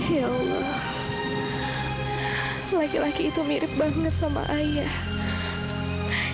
ya laki laki itu mirip banget sama ayah